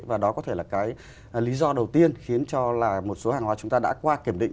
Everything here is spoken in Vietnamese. và đó có thể là cái lý do đầu tiên khiến cho là một số hàng hóa chúng ta đã qua kiểm định